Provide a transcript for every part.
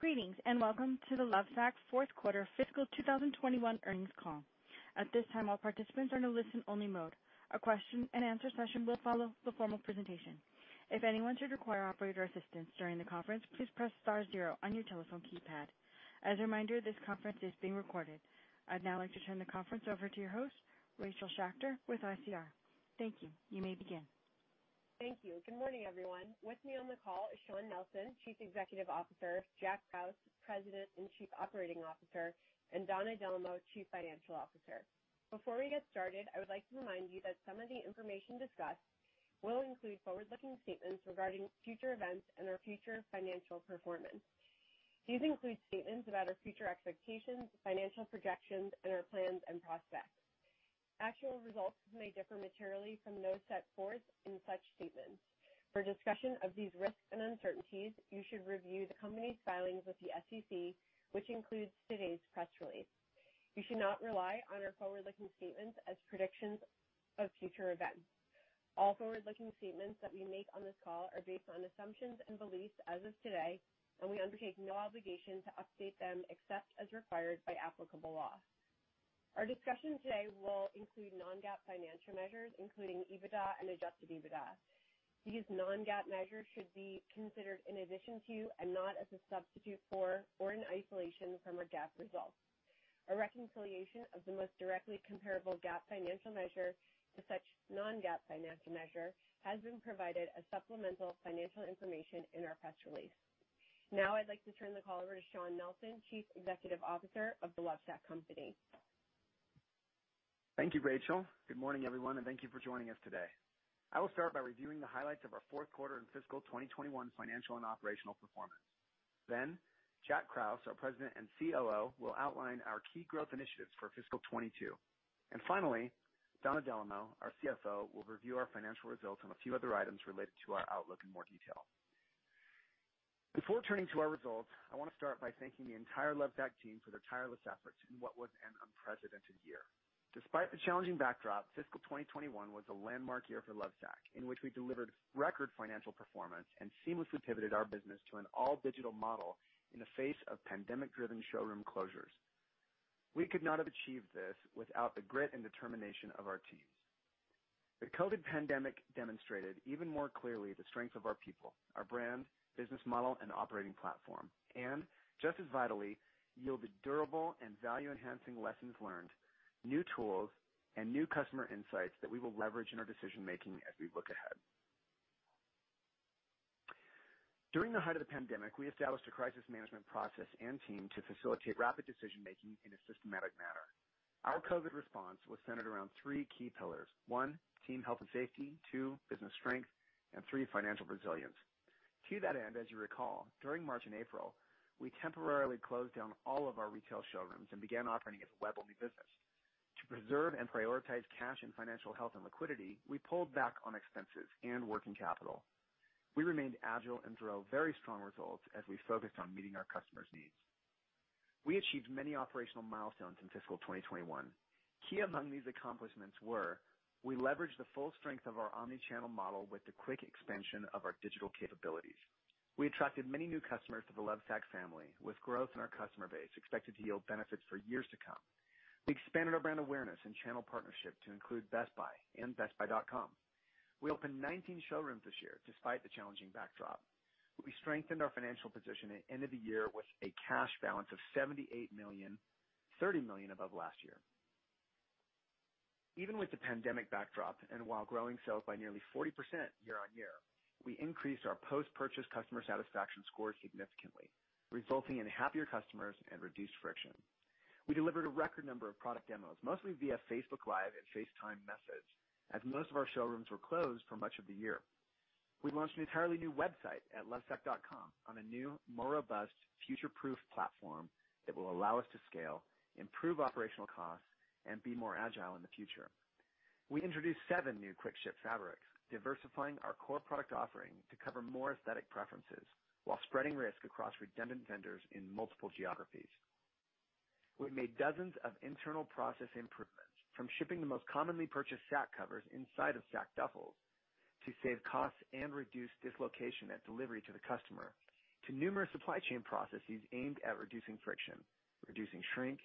Greetings, and welcome to the Lovesac Fourth Quarter Fiscal 2021 Earnings Call. At this time, all participants are in a listen-only mode. A question-and-answer session will follow the formal presentation. If anyone should require operator assistance during the conference, please press star zero on your telephone keypad. As a reminder, this conference is being recorded. I'd now like to turn the conference over to your host, Rachel Schacter with ICR. Thank you. You may begin. Thank you. Good morning, everyone. With me on the call is Shawn Nelson, Chief Executive Officer, Jack Krause, President and Chief Operating Officer, and Donna Dellomo, Chief Financial Officer. Before we get started, I would like to remind you that some of the information discussed will include forward-looking statements regarding future events and our future financial performance. These include statements about our future expectations, financial projections, and our plans and prospects. Actual results may differ materially from those set forth in such statements. For a discussion of these risks and uncertainties, you should review the company's filings with the SEC, which includes today's press release. You should not rely on our forward-looking statements as predictions of future events. All forward-looking statements that we make on this call are based on assumptions and beliefs as of today, and we undertake no obligation to update them except as required by applicable law. Our discussion today will include non-GAAP financial measures, including EBITDA and adjusted EBITDA. These non-GAAP measures should be considered in addition to and not as a substitute for or in isolation from our GAAP results. A reconciliation of the most directly comparable GAAP financial measure to such non-GAAP financial measure has been provided as supplemental financial information in our press release. Now I'd like to turn the call over to Shawn Nelson, Chief Executive Officer of The Lovesac Company. Thank you, Rachel. Good morning, everyone and thank you for joining us today. I will start by reviewing the highlights of our fourth quarter and fiscal 2021 financial and operational performance. Jack Krause, our President and COO, will outline our key growth initiatives for fiscal 2022. Finally, Donna Dellomo, our CFO, will review our financial results and a few other items related to our outlook in more detail. Before turning to our results, I wanna start by thanking the entire Lovesac team for their tireless efforts in what was an unprecedented year. Despite the challenging backdrop, fiscal 2021 was a landmark year for Lovesac, in which we delivered record financial performance and seamlessly pivoted our business to an all-digital model in the face of pandemic-driven showroom closures. We could not have achieved this without the grit and determination of our teams. The COVID pandemic demonstrated even more clearly the strength of our people, our brand, business model, and operating platform, and just as vitally, yielded durable and value-enhancing lessons learned, new tools, and new customer insights that we will leverage in our decision-making as we look ahead. During the height of the pandemic, we established a crisis management process and team to facilitate rapid decision-making in a systematic manner. Our COVID response was centered around three key pillars, one, team health and safety, two, business strength, and three, financial resilience. To that end, as you recall, during March and April, we temporarily closed down all of our retail showrooms and began operating as a web-only business. To preserve and prioritize cash and financial health and liquidity, we pulled back on expenses and working capital. We remained agile and drove very strong results as we focused on meeting our customers' needs. We achieved many operational milestones in fiscal 2021. Key among these accomplishments were we leveraged the full strength of our omnichannel model with the quick expansion of our digital capabilities. We attracted many new customers to The Lovesac family, with growth in our customer base expected to yield benefits for years to come. We expanded our brand awareness and channel partnership to include Best Buy and bestbuy.com. We opened 19 showrooms this year despite the challenging backdrop. We strengthened our financial position and ended the year with a cash balance of $78 million, $30 million above last year. Even with the pandemic backdrop, and while growing sales by nearly 40% year-on-year, we increased our post-purchase customer satisfaction score significantly, resulting in happier customers and reduced friction. We delivered a record number of product demos, mostly via Facebook Live and FaceTime message, as most of our showrooms were closed for much of the year. We launched an entirely new website at lovesac.com on a new, more robust, future-proof platform that will allow us to scale, improve operational costs, and be more agile in the future. We introduced seven new quick-ship fabrics, diversifying our core product offering to cover more aesthetic preferences while spreading risk across redundant vendors in multiple geographies. We made dozens of internal process improvements, from shipping the most commonly purchased Sac covers inside of Sac duffels to save costs and reduce dislocation at delivery to the customer to numerous supply chain processes aimed at reducing friction, reducing shrink,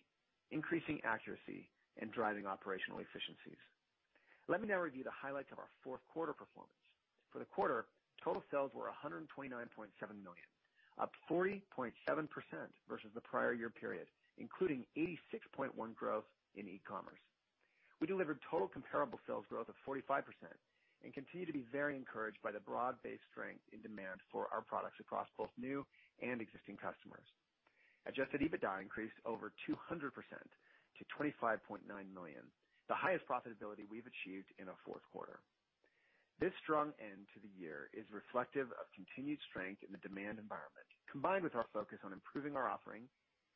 increasing accuracy, and driving operational efficiencies. Let me now review the highlights of our fourth quarter performance. For the quarter, total sales were $129.7 million, up 40.7% versus the prior year period, including 86.1% growth in e-commerce. We delivered total comparable sales growth of 45% and continue to be very encouraged by the broad-based strength in demand for our products across both new and existing customers. Adjusted EBITDA increased over 200% to $25.9 million, the highest profitability we've achieved in a fourth quarter. This strong end to the year is reflective of continued strength in the demand environment, combined with our focus on improving our offering,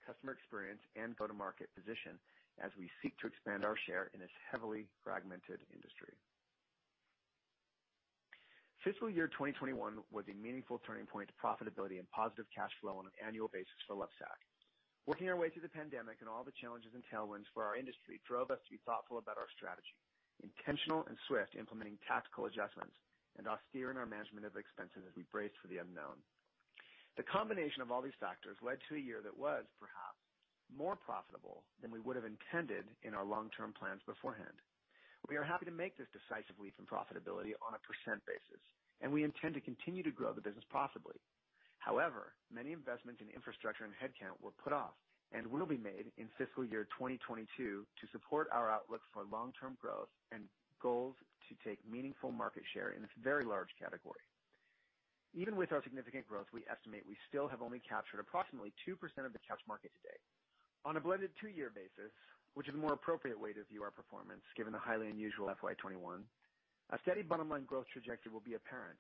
customer experience, and go-to-market position as we seek to expand our share in this heavily fragmented industry. Fiscal year 2021 was a meaningful turning point to profitability and positive cash flow on an annual basis for Lovesac. Working our way through the pandemic and all the challenges and tailwinds for our industry drove us to be thoughtful about our strategy, intentional and swift in implementing tactical adjustments, and austere in our management of expenses as we braced for the unknown. The combination of all these factors led to a year that was perhaps more profitable than we would have intended in our long-term plans beforehand. We are happy to make this decisive leap in profitability on a percent basis, and we intend to continue to grow the business profitably. However, many investments in infrastructure and headcount were put off and will be made in fiscal year 2022 to support our outlook for long-term growth and goals to take meaningful market share in this very large category. Even with our significant growth, we estimate we still have only captured approximately 2% of the couch market to date. On a blended two-year basis, which is a more appropriate way to view our performance given the highly unusual FY 2021, a steady bottom line growth trajectory will be apparent,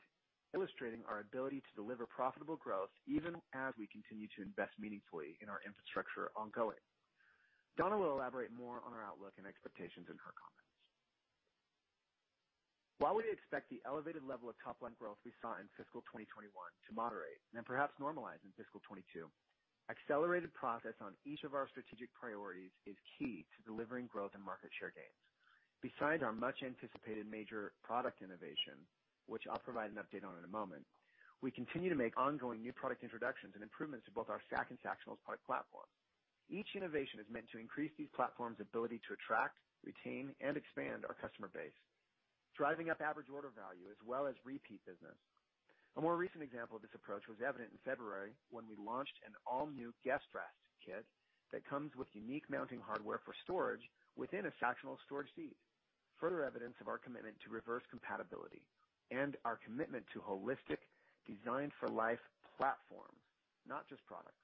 illustrating our ability to deliver profitable growth even as we continue to invest meaningfully in our infrastructure ongoing. Donna will elaborate more on our outlook and expectations in her comments. While we expect the elevated level of top line growth we saw in fiscal 2021 to moderate and perhaps normalize in fiscal 2022, accelerated progress on each of our strategic priorities is key to delivering growth and market share gains. Besides our much-anticipated major product innovation, which I'll provide an update on in a moment, we continue to make ongoing new product introductions and improvements to both our Sacs and Sactionals product platforms. Each innovation is meant to increase these platforms' ability to attract, retain, and expand our customer base, driving up average order value as well as repeat business. A more recent example of this approach was evident in February when we launched an all-new Guest Rest Kit that comes with unique mounting hardware for storage within a Sactional storage seat. Further evidence of our commitment to reverse compatibility and our commitment to holistic Designed for Life platforms, not just products.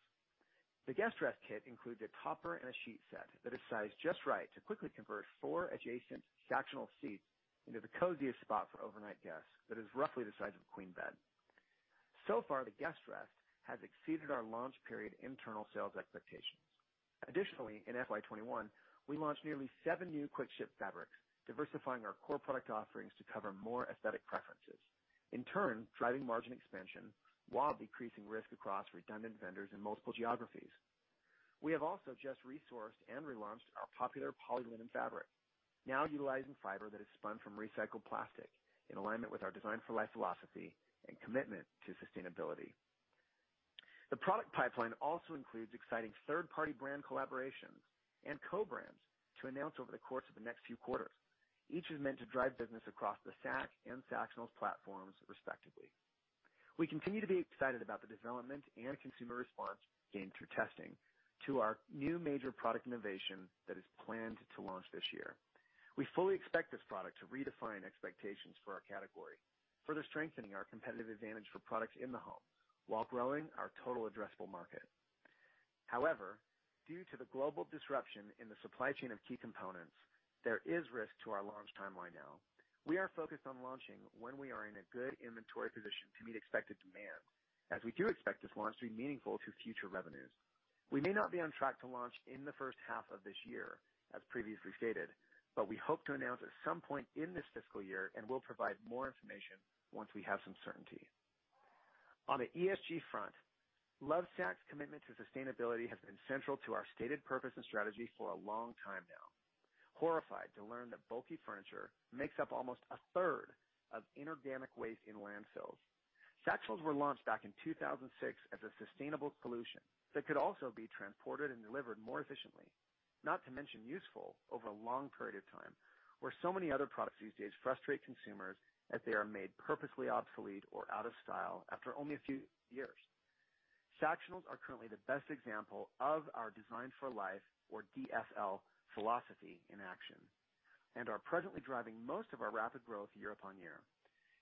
The Guest Rest Kit includes a topper and a sheet set that is sized just right to quickly convert four adjacent Sactionals seats into the coziest spot for overnight guests that is roughly the size of a queen bed. So far, the Guest Rest has exceeded our launch period internal sales expectations. Additionally, in FY 2021, we launched nearly seven new quick-ship fabrics, diversifying our core product offerings to cover more aesthetic preferences, in turn, driving margin expansion while decreasing risk across redundant vendors in multiple geographies. We have also just resourced and relaunched our popular Polylinen fabric, now utilizing fiber that is spun from recycled plastic in alignment with our Designed for Life philosophy and commitment to sustainability. The product pipeline also includes exciting third-party brand collaborations and co-brands to announce over the course of the next few quarters. Each is meant to drive business across the Sacs and Sactionals platforms respectively. We continue to be excited about the development and consumer response gained through testing to our new major product innovation that is planned to launch this year. We fully expect this product to redefine expectations for our category, further strengthening our competitive advantage for products in the home while growing our total addressable market. However, due to the global disruption in the supply chain of key components, there is risk to our launch timeline now. We are focused on launching when we are in a good inventory position to meet expected demand, as we do expect this launch to be meaningful to future revenues. We may not be on track to launch in the first half of this year, as previously stated, but we hope to announce at some point in this fiscal year and will provide more information once we have some certainty. On the ESG front, Lovesac's commitment to sustainability has been central to our stated purpose and strategy for a long time now. We were horrified to learn that bulky furniture makes up almost a third of inorganic waste in landfills. Sactionals were launched back in 2006 as a sustainable solution that could also be transported and delivered more efficiently, not to mention useful over a long period of time, where so many other products these days frustrate consumers as they are made purposely obsolete or out of style after only a few years. Sactionals are currently the best example of our Designed for Life, or DFL, philosophy in action and are presently driving most of our rapid growth year upon year.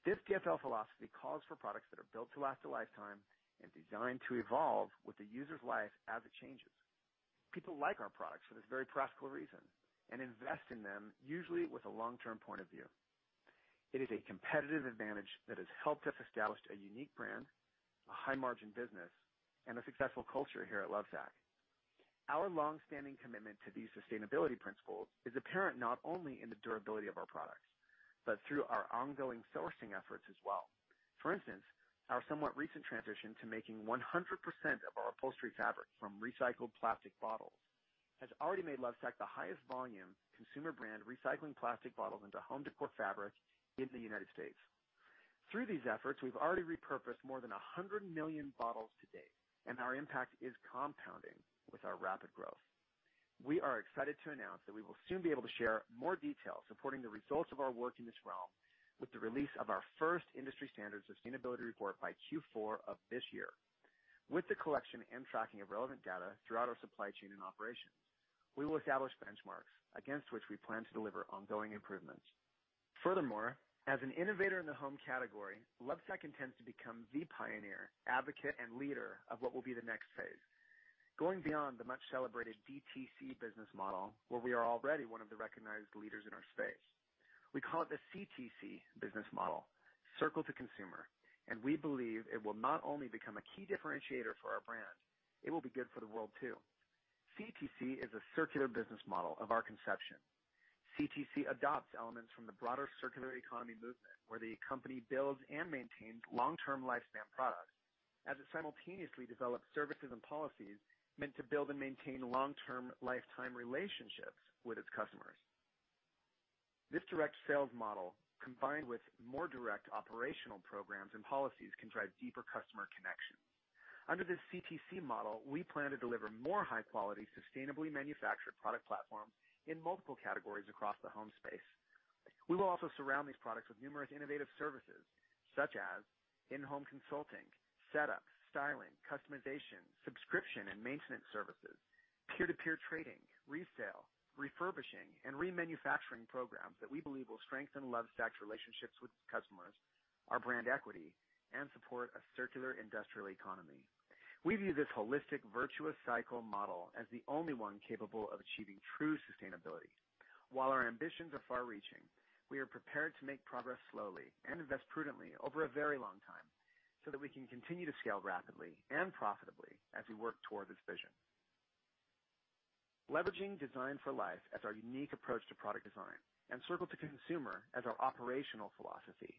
This DFL philosophy calls for products that are built to last a lifetime and designed to evolve with the user's life as it changes. People like our products for this very practical reason and invest in them usually with a long-term point of view. It is a competitive advantage that has helped us establish a unique brand, a high-margin business, and a successful culture here at Lovesac. Our long-standing commitment to these sustainability principles is apparent not only in the durability of our products, but through our ongoing sourcing efforts as well. For instance, our somewhat recent transition to making 100% of our upholstery fabric from recycled plastic bottles has already made Lovesac the highest volume consumer brand recycling plastic bottles into home decor fabric in the United States. Through these efforts, we've already repurposed more than 100 million bottles to date, and our impact is compounding with our rapid growth. We are excited to announce that we will soon be able to share more details supporting the results of our work in this realm with the release of our first industry standard sustainability report by Q4 of this year. With the collection and tracking of relevant data throughout our supply chain and operations, we will establish benchmarks against which we plan to deliver ongoing improvements. Furthermore, as an innovator in the home category, Lovesac intends to become the pioneer, advocate, and leader of what will be the next phase. Going beyond the much-celebrated DTC business model, where we are already one of the recognized leaders in our space, we call it the CTC business model, Circle to Consumer, and we believe it will not only become a key differentiator for our brand, it will be good for the world too. CTC is a circular business model of our conception. CTC adopts elements from the broader circular economy movement, where the company builds and maintains long-term lifespan products as it simultaneously develops services and policies meant to build and maintain long-term lifetime relationships with its customers. This direct sales model, combined with more direct operational programs and policies, can drive deeper customer connection. Under this CTC model, we plan to deliver more high-quality, sustainably manufactured product platforms in multiple categories across the home space. We will also surround these products with numerous innovative services, such as in-home consulting, setup, styling, customization, subscription and maintenance services, peer-to-peer trading, resale, refurbishing, and remanufacturing programs that we believe will strengthen Lovesac's relationships with customers, our brand equity, and support a circular industrial economy. We view this holistic, virtuous cycle model as the only one capable of achieving true sustainability. While our ambitions are far-reaching, we are prepared to make progress slowly and invest prudently over a very long time so that we can continue to scale rapidly and profitably as we work toward this vision. Leveraging Designed for Life as our unique approach to product design and Circle to Consumer as our operational philosophy,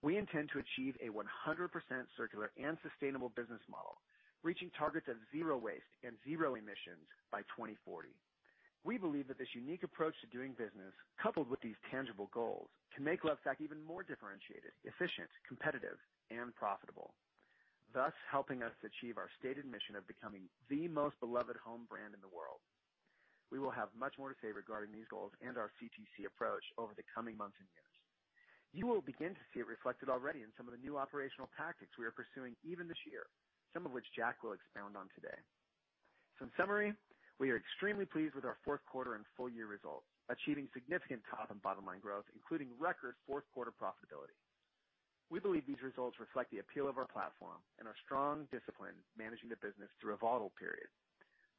we intend to achieve a 100% circular and sustainable business model, reaching targets of zero waste and zero emissions by 2040. We believe that this unique approach to doing business, coupled with these tangible goals, can make Lovesac even more differentiated, efficient, competitive, and profitable, thus helping us achieve our stated mission of becoming the most beloved home brand in the world. We will have much more to say regarding these goals and our CTC approach over the coming months and years. You will begin to see it reflected already in some of the new operational tactics we are pursuing even this year, some of which Jack will expound on today. In summary, we are extremely pleased with our fourth quarter and full year results, achieving significant top and bottom-line growth, including record fourth quarter profitability. We believe these results reflect the appeal of our platform and our strong discipline managing the business through a volatile period.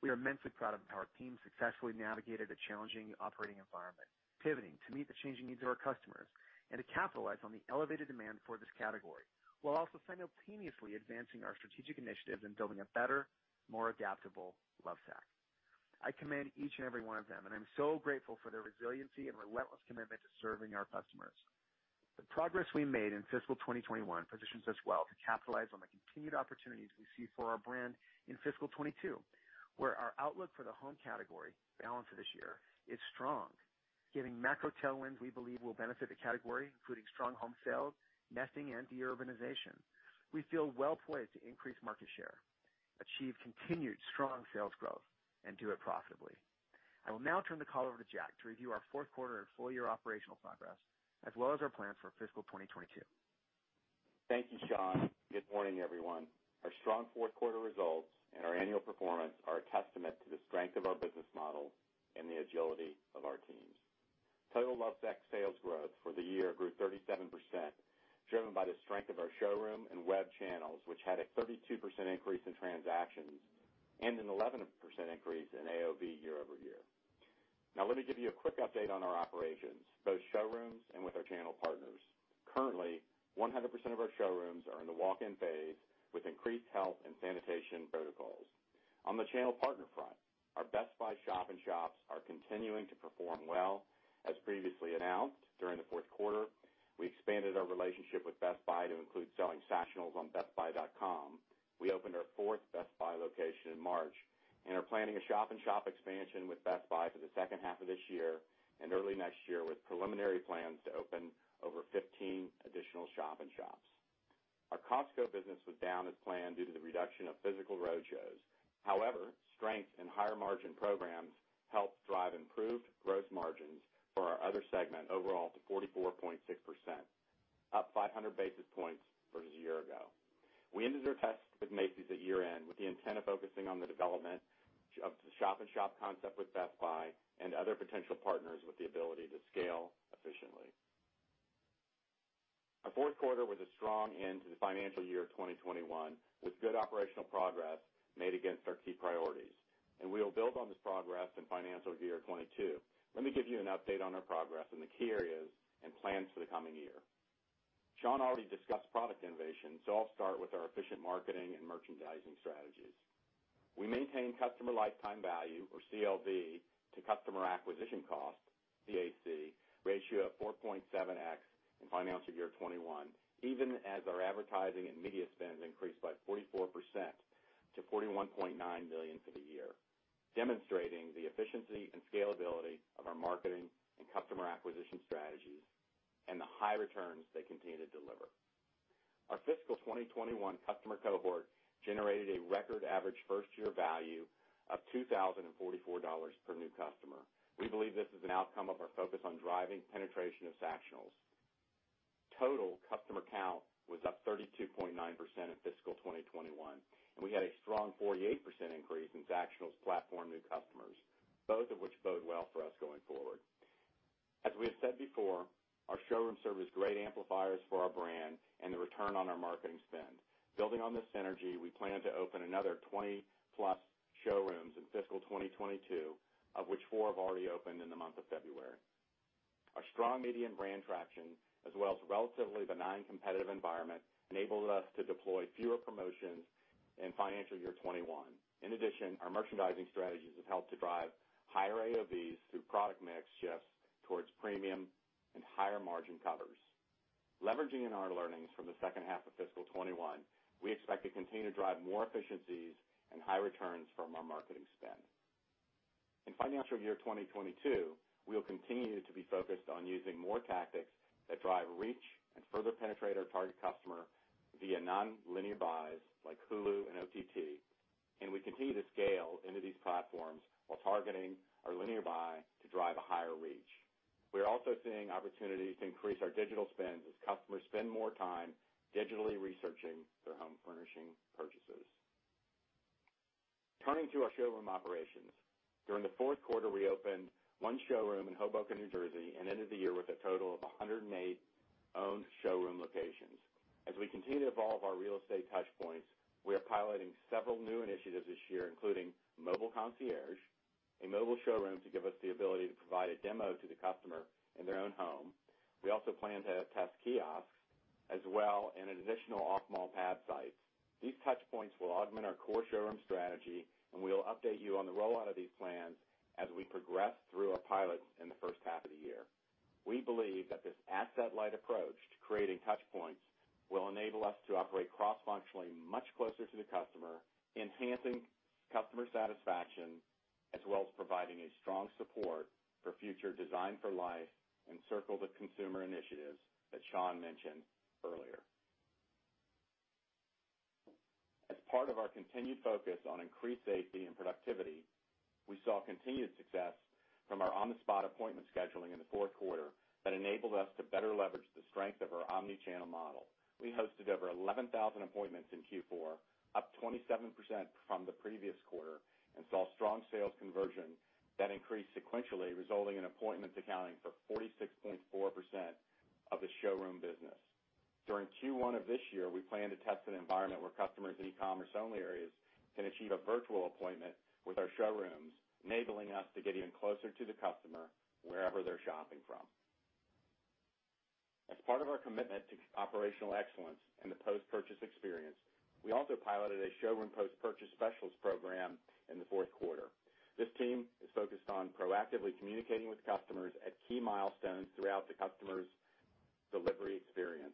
We are immensely proud of how our team successfully navigated a challenging operating environment, pivoting to meet the changing needs of our customers and to capitalize on the elevated demand for this category, while also simultaneously advancing our strategic initiatives and building a better, more adaptable Lovesac. I commend each and every one of them, and I'm so grateful for their resiliency and relentless commitment to serving our customers. The progress we made in fiscal 2021 positions us well to capitalize on the continued opportunities we see for our brand in fiscal 2022, where our outlook for the home category balance of this year is strong. Given macro tailwinds we believe will benefit the category, including strong home sales, nesting, and de-urbanization. We feel well-placed to increase market share, achieve continued strong sales growth, and do it profitably. I will now turn the call over to Jack to review our fourth quarter and full year operational progress, as well as our plans for fiscal 2022. Thank you, Shawn. Good morning, everyone. Our strong fourth quarter results and our annual performance are a testament to the strength of our business model and the agility of our teams. Total Lovesac sales growth for the year grew 37%, driven by the strength of our showroom and web channels, which had a 32% increase in transactions and an 11% increase in AOV year-over-year. Now, let me give you a quick update on our operations, both showrooms and with our channel partners. Currently, 100% of our showrooms are in the walk-in phase with increased health and sanitation protocols. On the channel partner front, our Best Buy shop-in-shops are continuing to perform well. As previously announced, during the fourth quarter, we expanded our relationship with Best Buy to include selling Sactionals on bestbuy.com. We opened our fourth Best Buy location in March and are planning a shop-in-shop expansion with Best Buy for the second half of this year and early next year, with preliminary plans to open over 15 additional shop-in-shops. Our Costco business was down as planned due to the reduction of physical roadshows. However, strength in higher margin programs helped drive improved gross margins for our other segment overall to 44.6%, up 500 basis points versus a year ago. We ended our test with Macy's at year-end with the intent of focusing on the development of the shop-in-shop concept with Best Buy and other potential partners with the ability to scale efficiently. Our fourth quarter was a strong end to the financial year of 2021, with good operational progress made against our key priorities, and we will build on this progress in financial year 2022. Let me give you an update on our progress in the key areas and plans for the coming year. Shawn already discussed product innovation, so I'll start with our efficient marketing and merchandising strategies. We maintain customer lifetime value, or CLV, to customer acquisition cost, CAC, ratio of 4.7x in financial year 2021, even as our advertising and media spends increased by 44% to $41.9 million for the year, demonstrating the efficiency and scalability of our marketing and customer acquisition strategies and the high returns they continue to deliver. Our fiscal 2021 customer cohort generated a record average first-year value of $2,044 per new customer. We believe this is an outcome of our focus on driving penetration of Sactionals. Total customer count was up 32.9% in fiscal 2021, and we had a strong 48% increase in Sactionals platform new customers, both of which bode well for us going forward. As we have said before, our showrooms serve as great amplifiers for our brand and the return on our marketing spend. Building on this synergy, we plan to open another 20+ showrooms in fiscal 2022, of which four have already opened in the month of February. Our strong median brand traction, as well as relatively benign competitive environment, enabled us to deploy fewer promotions in financial year 2021. In addition, our merchandising strategies have helped to drive higher AOV through product mix shifts towards premium and higher margin covers. Leveraging our learnings from the second half of fiscal 2021, we expect to continue to drive more efficiencies and high returns from our marketing spend. In financial year 2022, we'll continue to be focused on using more tactics that drive reach and further penetrate our target customer via nonlinear buys like Hulu and OTT, and we continue to scale into these platforms while targeting our linear buy to drive a higher reach. We're also seeing opportunities to increase our digital spend as customers spend more time digitally researching their home furnishing purchases. Turning to our showroom operations. During the fourth quarter, we opened one showroom in Hoboken, New Jersey, and ended the year with a total of 108 owned showroom locations. As we continue to evolve our real estate touchpoints, we are piloting several new initiatives this year, including mobile concierge, a mobile showroom to give us the ability to provide a demo to the customer in their own home. We also plan to test kiosks as well, and an additional off-mall pad sites. These touchpoints will augment our core showroom strategy, and we will update you on the rollout of these plans as we progress through our pilots in the first half of the year. We believe that this asset-light approach to creating touchpoints will enable us to operate cross-functionally much closer to the customer, enhancing customer satisfaction, as well as providing a strong support for future Designed for Life and Circle to Consumer initiatives that Shawn mentioned earlier. As part of our continued focus on increased safety and productivity, we saw continued success from our on-the-spot appointment scheduling in the fourth quarter that enabled us to better leverage the strength of our omnichannel model. We hosted over 11,000 appointments in Q4, up 27% from the previous quarter, and saw strong sales conversion that increased sequentially, resulting in appointments accounting for 46.4% of the showroom business. During Q1 of this year, we plan to test an environment where customers in e-commerce-only areas can achieve a virtual appointment with our showrooms, enabling us to get even closer to the customer wherever they're shopping from. As part of our commitment to CTC operational excellence and the post-purchase experience, we also piloted a showroom post-purchase specialist program in the fourth quarter. This team is focused on proactively communicating with customers at key milestones throughout the customer's delivery experience.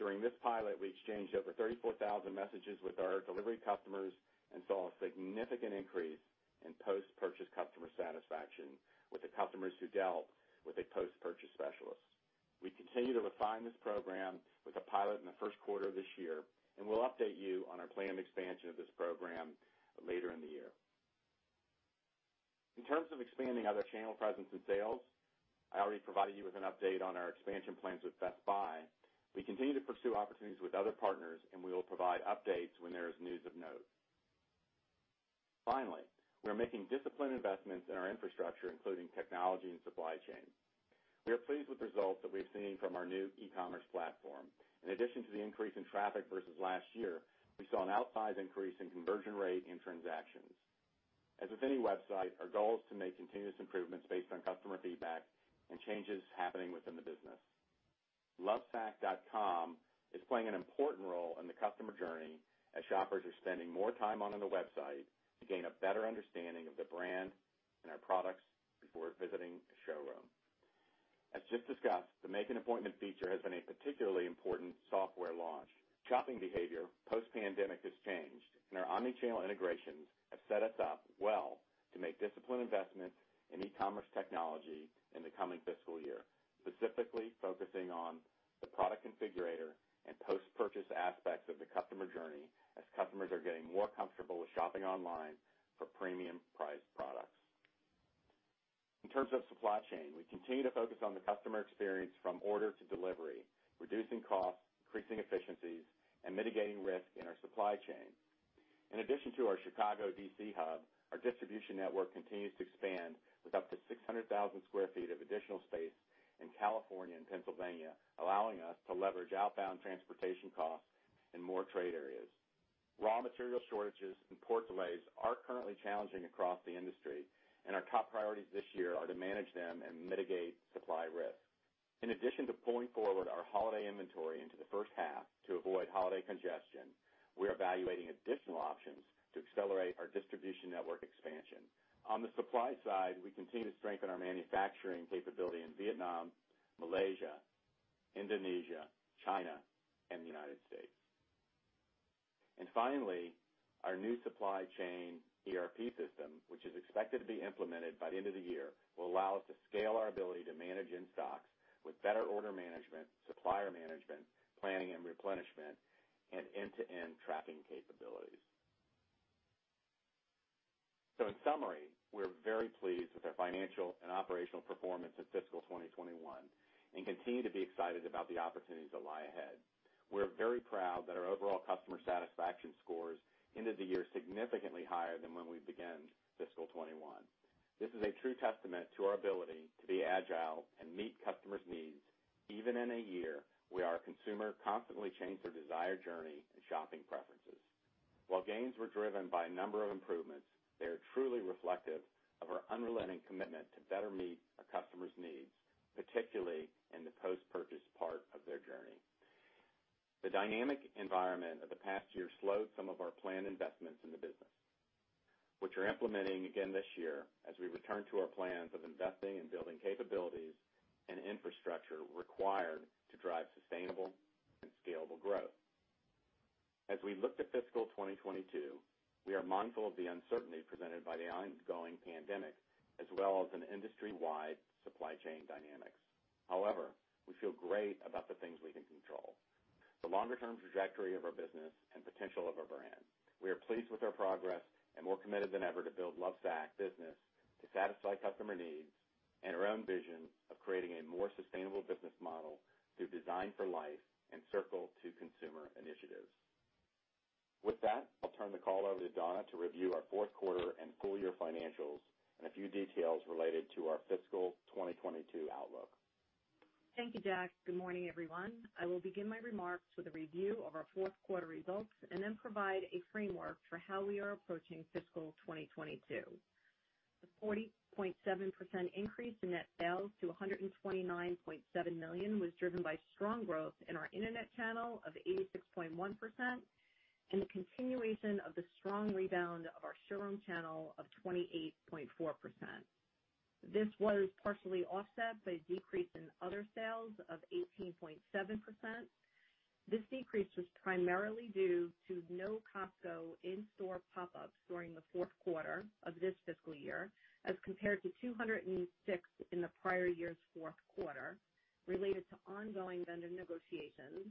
During this pilot, we exchanged over 34,000 messages with our delivery customers and saw a significant increase in post-purchase customer satisfaction with the customers who dealt with a post-purchase specialist. We continue to refine this program with a pilot in the first quarter of this year, and we'll update you on our planned expansion of this program later in the year. In terms of expanding other channel presence and sales, I already provided you with an update on our expansion plans with Best Buy. We continue to pursue opportunities with other partners, and we will provide updates when there is news of note. Finally, we are making disciplined investments in our infrastructure, including technology and supply chain. We are pleased with results that we've seen from our new e-commerce platform. In addition to the increase in traffic versus last year, we saw an outsized increase in conversion rate in transactions. As with any website, our goal is to make continuous improvements based on customer feedback and changes happening within the business. lovesac.com is playing an important role in the customer journey as shoppers are spending more time on the website to gain a better understanding of the brand and our products before visiting a showroom. As just discussed, the make an appointment feature has been a particularly important software launch. Shopping behavior post-pandemic has changed, and our omnichannel integrations have set us up well to make disciplined investments in e-commerce technology in the coming fiscal year, specifically focusing on the product configurator and post-purchase aspects of the customer journey as customers are getting more comfortable with shopping online for premium priced products. In terms of supply chain, we continue to focus on the customer experience from order to delivery, reducing costs, increasing efficiencies, and mitigating risk in our supply chain. In addition to our Chicago DC hub, our distribution network continues to expand with up to 600,000 sq ft of additional space in California and Pennsylvania, allowing us to leverage outbound transportation costs in more trade areas. Raw material shortages and port delays are currently challenging across the industry, and our top priorities this year are to manage them and mitigate supply risk. In addition to pulling forward our holiday inventory into the first half to avoid holiday congestion, we are evaluating additional options to accelerate our distribution network expansion. On the supply side, we continue to strengthen our manufacturing capability in Vietnam, Malaysia, Indonesia, China, and the United States. Finally, our new supply chain ERP system, which is expected to be implemented by the end of the year, will allow us to scale our ability to manage in stocks with better order management, supplier management, planning and replenishment, and end-to-end tracking capabilities. In summary, we're very pleased with our financial and operational performance in fiscal 2021, and continue to be excited about the opportunities that lie ahead. We're very proud that our overall customer satisfaction scores ended the year significantly higher than when we began fiscal 2021. This is a true testament to our ability to be agile and meet customers' needs. Even in a year where our consumer constantly changed their desired journey and shopping preferences. While gains were driven by a number of improvements, they are truly reflective of our unrelenting commitment to better meet our customers' needs, particularly in the post-purchase part of their journey. The dynamic environment of the past year slowed some of our planned investments in the business, which we're implementing again this year as we return to our plans of investing and building capabilities and infrastructure required to drive sustainable and scalable growth. As we look to fiscal 2022, we are mindful of the uncertainty presented by the ongoing pandemic, as well as an industry-wide supply chain dynamics. However, we feel great about the things we can control, the longer term trajectory of our business and potential of our brand. We are pleased with our progress and more committed than ever to build Lovesac business to satisfy customer needs and our own vision of creating a more sustainable business model through Designed for Life and Circle to Consumer initiatives. With that, I'll turn the call over to Donna to review our fourth quarter and full year financials and a few details related to our fiscal 2022 outlook. Thank you, Jack. Good morning, everyone. I will begin my remarks with a review of our fourth quarter results and then provide a framework for how we are approaching fiscal 2022. The 40.7% increase in net sales to $129.7 million was driven by strong growth in our internet channel of 86.1% and the continuation of the strong rebound of our showroom channel of 28.4%. This was partially offset by a decrease in other sales of 18.7%. This decrease was primarily due to no Costco in-store pop-ups during the fourth quarter of this fiscal year, as compared to 206 in the prior year's fourth quarter related to ongoing vendor negotiations.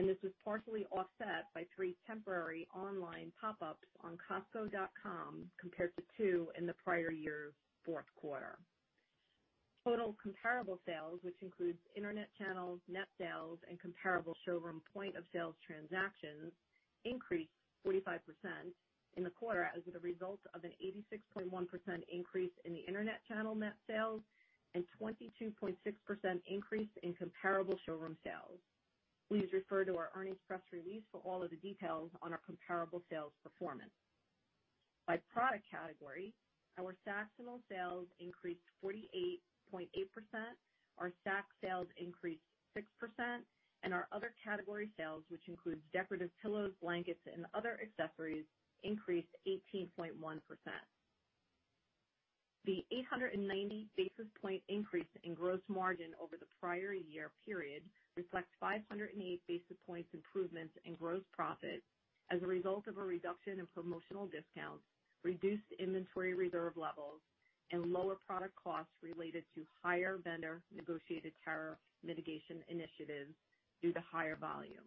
This was partially offset by three temporary online pop-ups on costco.com, compared to two in the prior year's fourth quarter. Total comparable sales, which includes internet channels, net sales, and comparable showroom point-of-sale transactions, increased 45% in the quarter as a result of an 86.1% increase in the internet channel net sales and 22.6% increase in comparable showroom sales. Please refer to our earnings press release for all of the details on our comparable sales performance. By product category, our Sactionals sales increased 48.8%, our Sacs sales increased 6%, and our other category sales, which includes decorative pillows, blankets, and other accessories, increased 18.1%. The 890 basis point increase in gross margin over the prior year period reflects 508 basis points improvements in gross profit as a result of a reduction in promotional discounts, reduced inventory reserve levels, and lower product costs related to higher vendor negotiated tariff mitigation initiatives due to higher volume.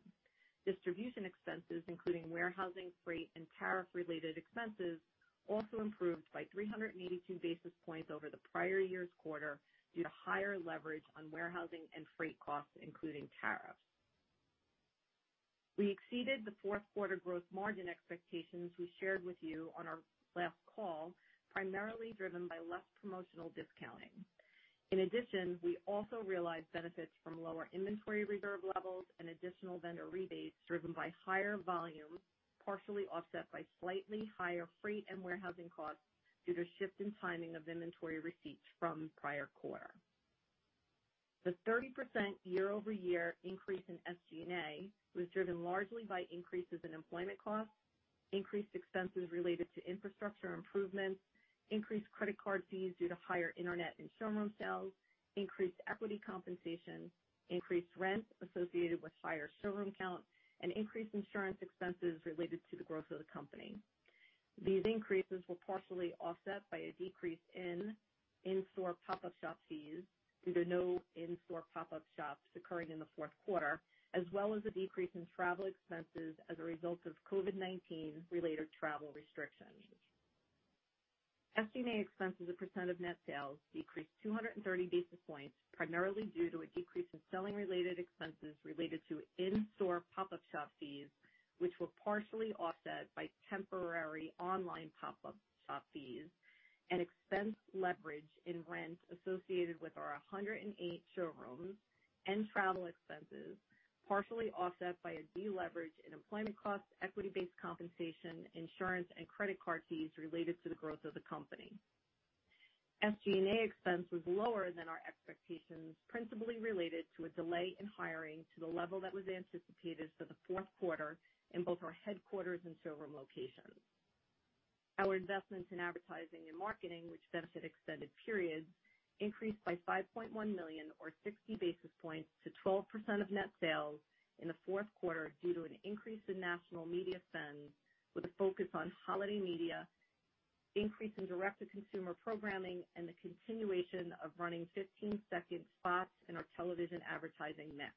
Distribution expenses, including warehousing, freight, and tariff-related expenses, also improved by 382 basis points over the prior year's quarter due to higher leverage on warehousing and freight costs, including tariffs. We exceeded the fourth quarter gross margin expectations we shared with you on our last call, primarily driven by less promotional discounting. In addition, we also realized benefits from lower inventory reserve levels and additional vendor rebates driven by higher volume, partially offset by slightly higher freight and warehousing costs due to shift in timing of inventory receipts from the prior quarter. The 30% year-over-year increase in SG&A was driven largely by increases in employment costs, increased expenses related to infrastructure improvements, increased credit card fees due to higher internet and showroom sales, increased equity compensation, increased rent associated with higher showroom count, and increased insurance expenses related to the growth of the company. These increases were partially offset by a decrease in in-store pop-up shop fees due to no in-store pop-up shops occurring in the fourth quarter, as well as a decrease in travel expenses as a result of COVID-19 related travel restrictions. SG&A expenses as a percent of net sales decreased 230 basis points, primarily due to a decrease in selling related expenses related to in-store pop-up shop fees, which were partially offset by temporary online pop-up shop fees and expense leverage in rent associated with our 108 showrooms and travel expenses, partially offset by a deleverage in employment costs, equity-based compensation, insurance, and credit card fees related to the growth of the company. SG&A expense was lower than our expectations, principally related to a delay in hiring to the level that was anticipated for the fourth quarter in both our headquarters and showroom locations. Our investments in advertising and marketing, which benefit extended periods, increased by $5.1 million or 60 basis points to 12% of net sales in the fourth quarter due to an increase in national media spend with a focus on holiday media, increase in direct-to-consumer programming, and the continuation of running 15-second spots in our television advertising mix.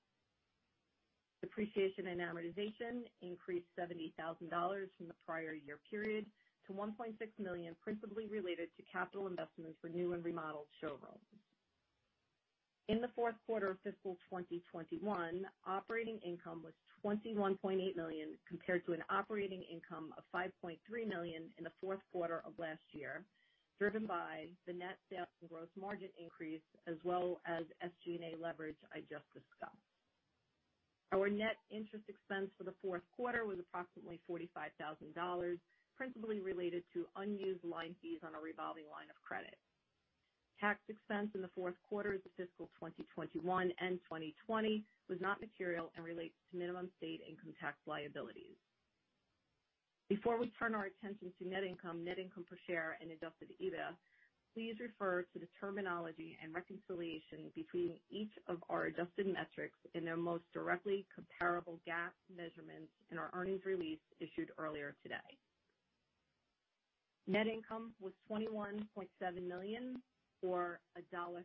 Depreciation and amortization increased $70,000 from the prior year period to $1.6 million, principally related to capital investments for new and remodeled showrooms. In the fourth quarter of fiscal 2021, operating income was $21.8 million, compared to an operating income of $5.3 million in the fourth quarter of last year, driven by the net sales and gross margin increase as well as SG&A leverage I just discussed. Our net interest expense for the fourth quarter was approximately $45,000, principally related to unused line fees on a revolving line of credit. Tax expense in the fourth quarter of fiscal 2021 and 2020 was not material and relates to minimum state income tax liabilities. Before we turn our attention to net income, net income per share and adjusted EBITDA, please refer to the terminology and reconciliation between each of our adjusted metrics in their most directly comparable GAAP measurements in our earnings release issued earlier today. Net income was $21.7 million, or $1.37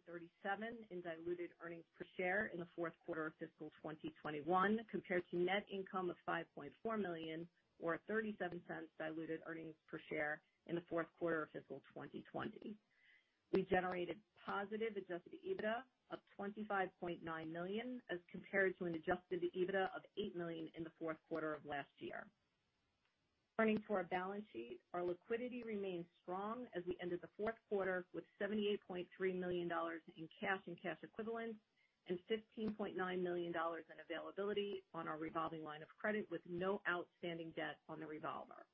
in diluted earnings per share in the fourth quarter of fiscal 2021, compared to net income of $5.4 million or $0.37 diluted earnings per share in the fourth quarter of fiscal 2020. We generated positive adjusted EBITDA of $25.9 million as compared to an adjusted EBITDA of $8 million in the fourth quarter of last year. Turning to our balance sheet, our liquidity remains strong as we ended the fourth quarter with $78.3 million in cash and cash equivalents and $15.9 million in availability on our revolving line of credit, with no outstanding debt on the revolver.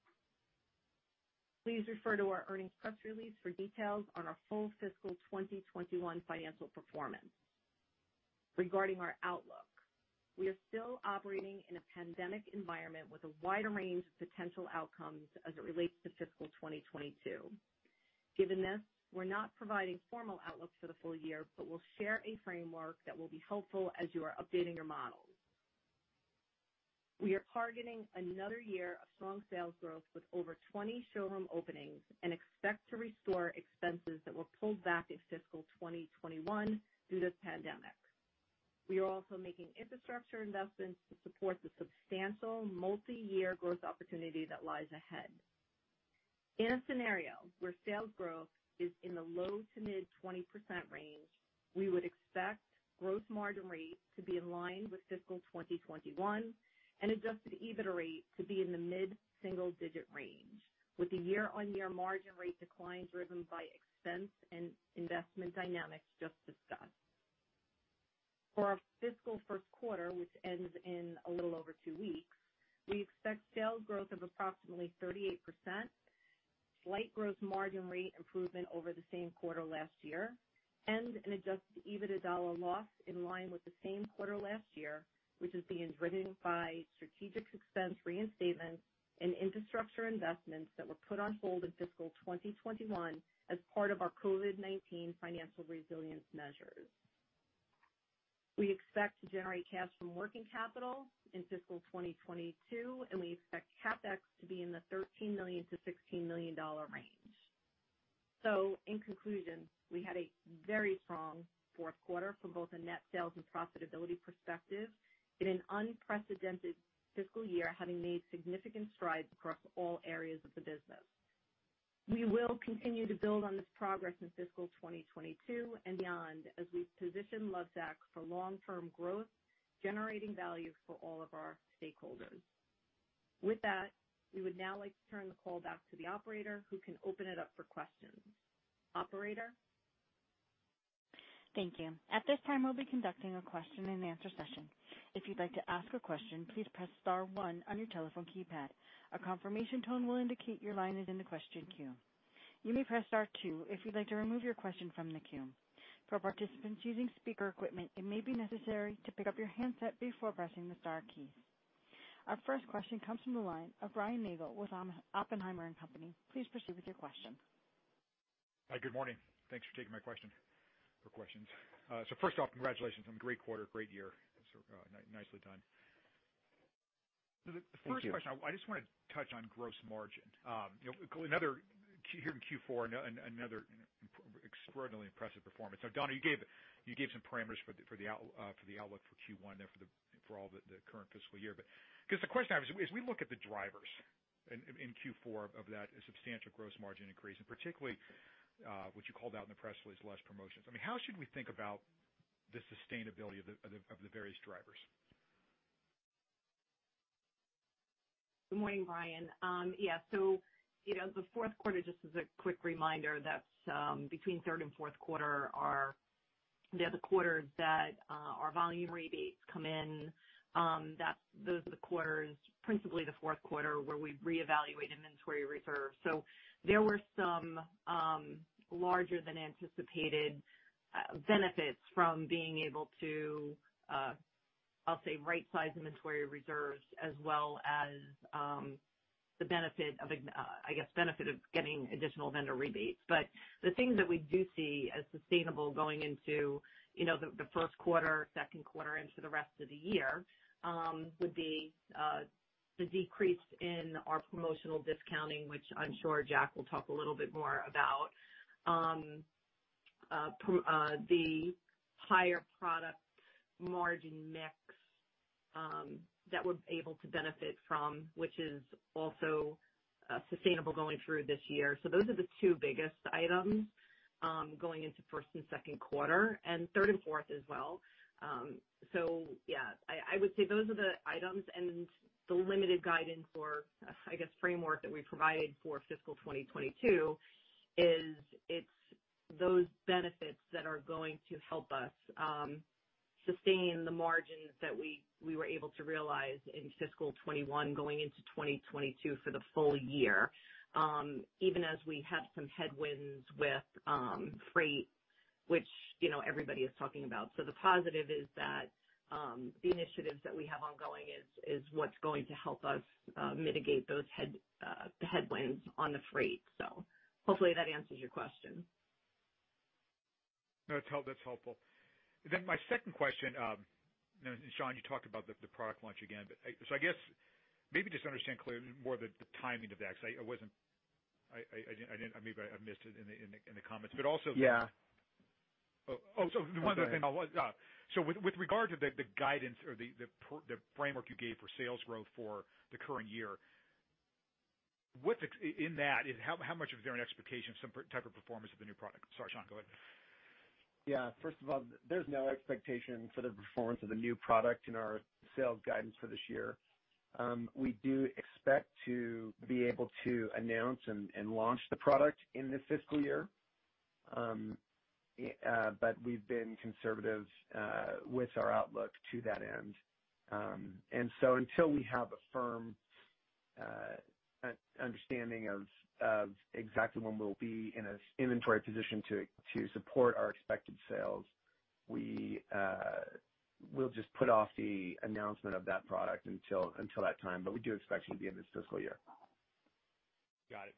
Please refer to our earnings press release for details on our full fiscal 2021 financial performance. Regarding our outlook, we are still operating in a pandemic environment with a wide range of potential outcomes as it relates to fiscal 2022. Given this, we're not providing formal outlook for the full year, but we'll share a framework that will be helpful as you are updating your models. We are targeting another year of strong sales growth with over 20 showroom openings, and expect to restore expenses that were pulled back in fiscal 2021 due to the pandemic. We are also making infrastructure investments to support the substantial multi-year growth opportunity that lies ahead. In a scenario where sales growth is in the low to mid 20% range, we would expect gross margin rate to be in line with fiscal 2021 and adjusted EBITDA rate to be in the mid-single-digit range with a year-on-year margin rate decline driven by expense and investment dynamics just discussed. For our fiscal first quarter, which ends in a little over two weeks, we expect sales growth of approximately 38%, slight gross margin rate improvement over the same quarter last year, and an adjusted EBITDA dollar loss in line with the same quarter last year, which is being driven by strategic expense reinstatement and infrastructure investments that were put on hold in fiscal 2021 as part of our COVID-19 financial resilience measures. We expect to generate cash from working capital in fiscal 2022, and we expect CapEx to be in the $13 million-$16 million range. In conclusion, we had a very strong fourth quarter from both a net sales and profitability perspective in an unprecedented fiscal year, having made significant strides across all areas of the business. We will continue to build on this progress in fiscal 2022 and beyond as we position Lovesac for long-term growth, generating value for all of our stakeholders. With that, we would now like to turn the call back to the operator who can open it up for questions. Operator? Thank you. At this time, we'll be conducting a question and answer session. If you'd like to ask a question, please press star one on your telephone keypad. A confirmation tone will indicate your line is in the question queue. You may press star two if you'd like to remove your question from the queue. For participants using speaker equipment, it may be necessary to pick up your handset before pressing the star key. Our first question comes from the line of Brian Nagel with Oppenheimer & Co Inc. Please proceed with your question. Hi, good morning. Thanks for taking my question or questions. First off, congratulations on a great quarter, great year. Nicely done. Thank you. The first question, I just wanna touch on gross margin. Another here in Q4, another extraordinarily impressive performance. Now, Donna, you gave some parameters for the outlook for Q1 there, for all the current fiscal year. Because the question I have is, as we look at the drivers in Q4 of that substantial gross margin increase, and particularly, what you called out in the press release, less promotions. I mean, how should we think about the sustainability of the various drivers? Good morning, Brian. The fourth quarter, just as a quick reminder, that's between third and fourth quarter, they're the quarters that our volume rebates come in. Those are the quarters, principally the fourth quarter, where we reevaluate inventory reserves. There were some larger than anticipated benefits from being able to rightsize inventory reserves as well as the benefit of getting additional vendor rebates. The thing that we do see as sustainable going into the first quarter, second quarter, into the rest of the year would be the decrease in our promotional discounting, which I'm sure Jack will talk a little bit more about. The higher product margin mix that we're able to benefit from, which is also sustainable going through this year. Those are the two biggest items going into first and second quarter, and third and fourth as well. I would say those are the items and the limited guidance or, I guess, framework that we provided for fiscal 2022. Those benefits that are going to help us sustain the margins that we were able to realize in fiscal 2021 going into 2022 for the full year, even as we have some headwinds with freight, which, you know, everybody is talking about. The positive is that the initiatives that we have ongoing is what's going to help us mitigate those headwinds on the freight. Hopefully that answers your question. No, it's helpful. That's helpful. My second question, you know, Shawn, you talked about the product launch again. But I guess maybe just understand clearly more the timing of that, 'cause I didn't. Maybe I missed it in the comments. But also— Yeah. With regard to the guidance or the framework you gave for sales growth for the current year, what's in that and how much is there an expectation of some type of performance of the new product? Sorry, Shawn, go ahead. Yeah. First of all, there's no expectation for the performance of the new product in our sales guidance for this year. We do expect to be able to announce and launch the product in this fiscal year. We've been conservative with our outlook to that end. Until we have a firm understanding of exactly when we'll be in an inventory position to support our expected sales, we'll just put off the announcement of that product until that time. We do expect it to be in this fiscal year. Got it.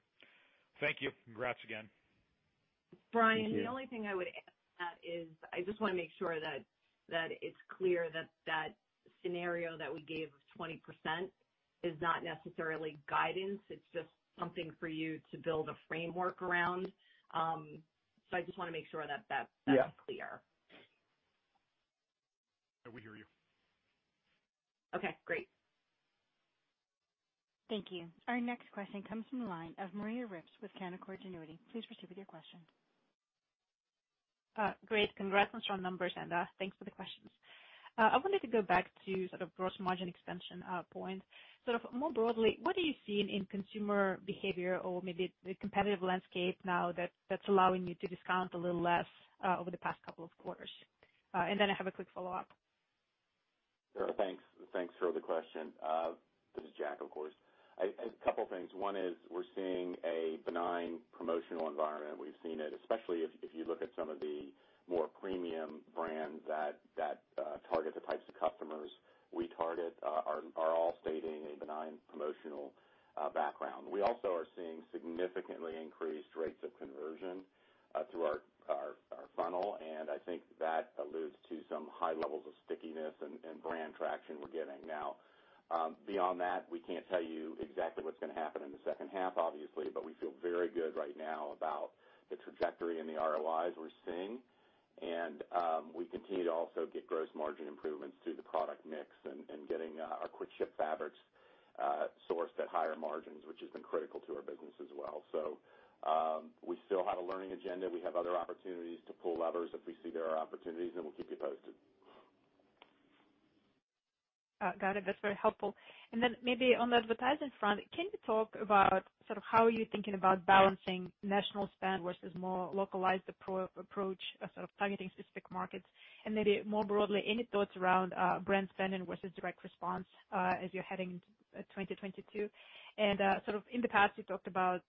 Thank you. Congrats again. Thank you. Brian, the only thing I would add to that is I just wanna make sure that it's clear that scenario that we gave of 20% is not necessarily guidance. It's just something for you to build a framework around. I just wanna make sure that that's clear. Yeah. We hear you. Okay, great. Thank you. Our next question comes from the line of Maria Ripps with Canaccord Genuity. Please proceed with your question. Great. Congrats on strong numbers and thanks for the questions. I wanted to go back to sort of gross margin expansion, point. Sort of more broadly, what are you seeing in consumer behavior or maybe the competitive landscape now that that's allowing you to discount a little less, over the past couple of quarters? I have a quick follow-up. Sure. Thanks. Thanks for the question. This is Jack, of course. A couple things. One is we're seeing a benign promotional environment. We've seen it, especially if you look at some of the more premium brands that target the types of customers we target, are all stating a benign promotional background. We also are seeing significantly increased rates of conversion through our funnel, and I think that alludes to some high levels of stickiness and brand traction we're getting. Now, beyond that, we can't tell you exactly what's gonna happen in the second half, obviously, but we feel very good right now about the trajectory and the ROIs we're seeing. We continue to also get gross margin improvements through the product mix and getting our quick ship fabrics sourced at higher margins, which has been critical to our business as well. We still have a learning agenda. We have other opportunities to pull levers if we see there are opportunities, and we'll keep you posted. Got it. That's very helpful. Then maybe on the advertising front, can you talk about sort of how you're thinking about balancing national spend versus more localized approach of sort of targeting specific markets? Maybe more broadly, any thoughts around brand spending versus direct response as you're heading into 2022? Sort of in the past you talked about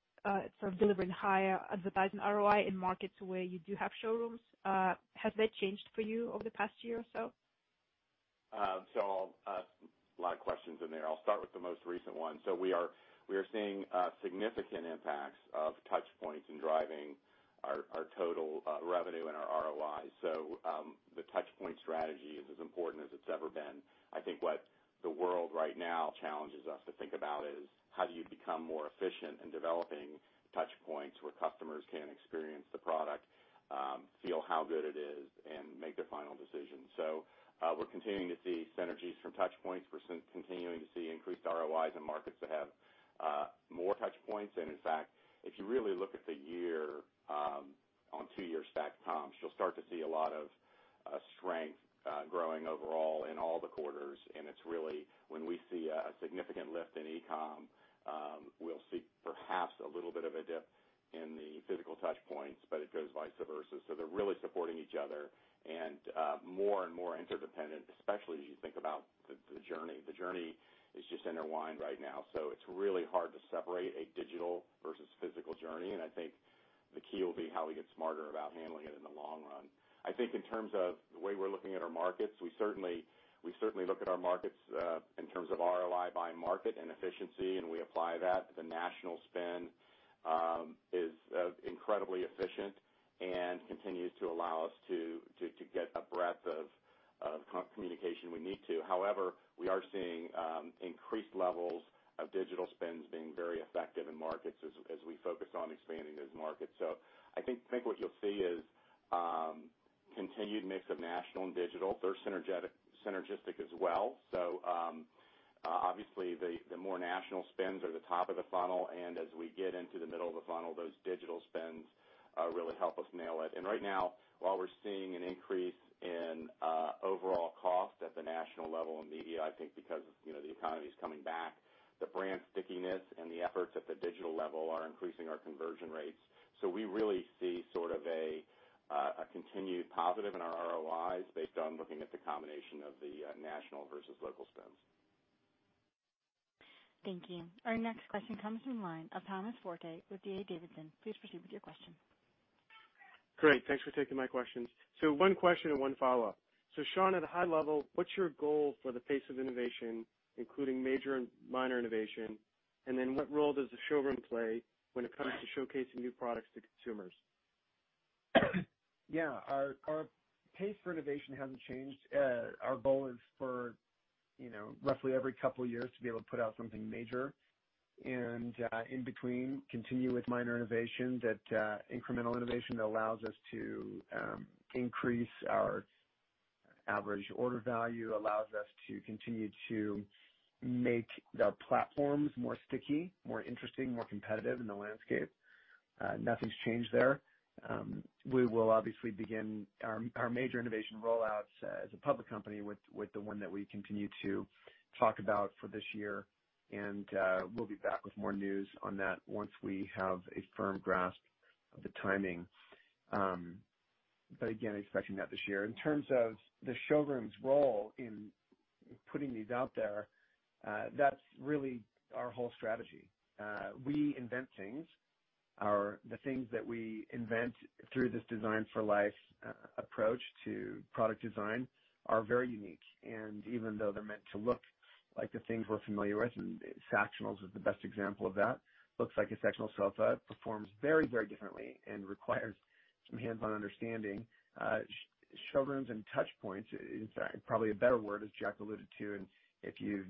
sort of delivering higher advertising ROI in markets where you do have showrooms. Has that changed for you over the past year or so? I'll start with a lot of questions in there. I'll start with the most recent one. We are seeing significant impacts of touchpoints in driving our total revenue and our ROI. The touchpoint strategy is as important as it's ever been. I think what the world right now challenges us to think about is how do you become more efficient in developing touchpoints where customers can experience the product, feel how good it is, and make their final decision. We're continuing to see synergies from touchpoints. We're continuing to see increased ROIs in markets that have more touchpoints. In fact, if you really look at the year, on two-year stacked comps, you'll start to see a lot of strength growing overall in all the quarters, and it's really when we see a significant lift in e-com, we'll see perhaps a little bit of a dip in the physical touchpoints, but it goes vice versa. They're really supporting each other and more and more interdependent, especially as you think about the journey. The journey is just intertwined right now, so it's really hard to separate a digital versus physical journey, and I think the key will be how we get smarter about handling it in the long run. I think in terms of the way we're looking at our markets, we certainly look at our markets in terms of ROI by market and efficiency, and we apply that. The national spend is incredibly efficient and continues to allow us to get a breadth of communication we need to. However, we are seeing increased levels of digital spends being very effective in markets as we focus on expanding those markets. I think what you'll see is continued mix of national and digital. They're synergistic as well. Obviously the more national spends are the top of the funnel, and as we get into the middle of the funnel, those digital spends really help us nail it. Right now, while we're seeing an increase in overall cost at the national level in media, I think because of you know, the economy's coming back, the brand stickiness and the efforts at the digital level are increasing our conversion rates. We really see sort of a continued positive in our ROIs based on looking at the combination of the national versus local spends. Thank you. Our next question comes from the line of Thomas Forte with D.A. Davidson. Please proceed with your question. Great. Thanks for taking my questions. One question and one follow-up. Shawn, at a high level, what's your goal for the pace of innovation, including major and minor innovation? What role does the showroom play when it comes to showcasing new products to consumers? Yeah, our pace for innovation hasn't changed. Our goal is for, you know, roughly every couple years to be able to put out something major, and in between continue with minor incremental innovation that allows us to increase our average order value, allows us to continue to make the platforms more sticky, more interesting, more competitive in the landscape. Nothing's changed there. We will obviously begin our major innovation rollouts as a public company with the one that we continue to talk about for this year, and we'll be back with more news on that once we have a firm grasp of the timing, again expecting that this year. In terms of the showroom's role in putting these out there, that's really our whole strategy. We invent things. The things that we invent through this Designed for Life approach to product design are very unique. Even though they're meant to look like the things we're familiar with, and Sactionals is the best example of that, looks like a sectional sofa, performs very, very differently and requires some hands-on understanding. Showrooms and touch points is probably a better word, as Jack alluded to, and if you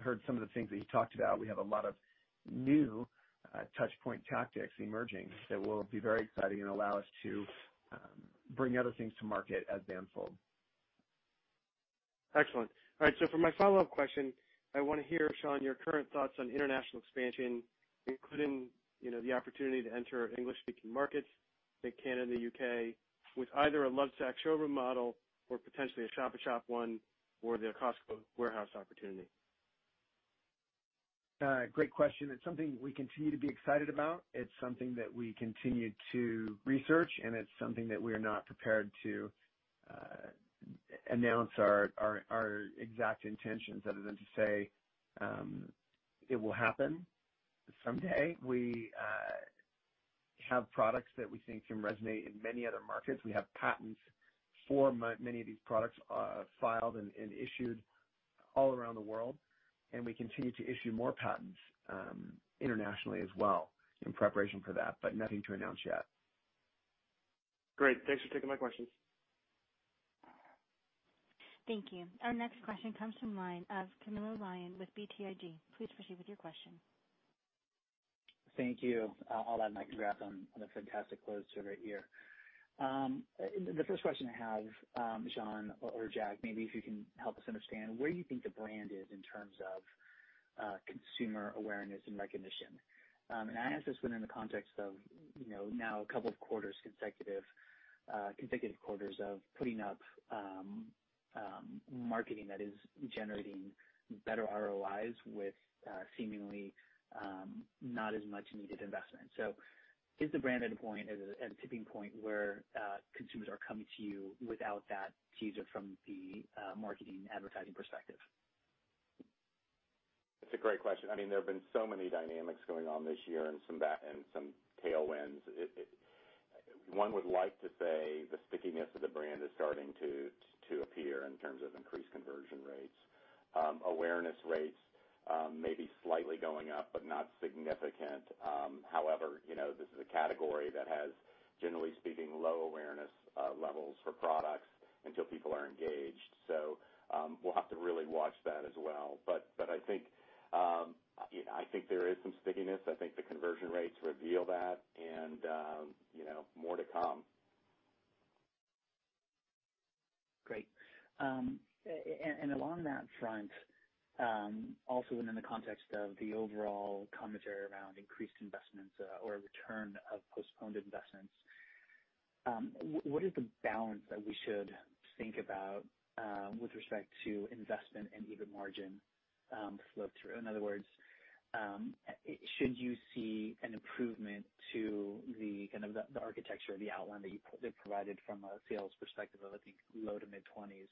heard some of the things that he talked about, we have a lot of new touch point tactics emerging that will be very exciting and allow us to bring other things to market at Banfield. Excellent. All right, for my follow-up question, I wanna hear, Shawn, your current thoughts on international expansion, including, you know, the opportunity to enter English-speaking markets like Canada, U.K., with either a Lovesac showroom model or potentially a shop-in-shop one or the Costco warehouse opportunity. Great question. It's something we continue to be excited about. It's something that we continue to research, and it's something that we're not prepared to announce our exact intentions other than to say it will happen someday. We have products that we think can resonate in many other markets. We have patents for many of these products filed and issued all around the world, and we continue to issue more patents internationally as well in preparation for that, but nothing to announce yet. Great. Thanks for taking my questions. Thank you. Our next question comes from the line of Camilo Lyon with BTIG. Please proceed with your question. Thank you. I'll add my congrats on a fantastic close to the year. The first question I have, Shawn or Jack, maybe if you can help us understand where you think the brand is in terms of consumer awareness and recognition. I ask this within the context of, you know, now a couple of consecutive quarters of putting up marketing that is generating better ROIs with seemingly not as much needed investment. Is the brand at a tipping point where consumers are coming to you without that teaser from the marketing advertising perspective? It's a great question. I mean, there have been so many dynamics going on this year and some tailwinds. One would like to say the stickiness of the brand is starting to appear in terms of increased conversion rates. Awareness rates may be slightly going up, but not significant. However, you know, this is a category that has, generally speaking, low awareness levels for products until people are engaged. We'll have to really watch that as well. I think, you know, I think there is some stickiness. I think the conversion rates reveal that and, you know, more to come. Great. Along that front, also and in the context of the overall commentary around increased investments or return of postponed investments, what is the balance that we should think about with respect to investment and even margin flow through? In other words, should you see an improvement to the architecture or the outline that you provided from a sales perspective of, I think, low- to mid-20s%?